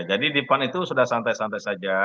jadi di pan itu sudah santai santai saja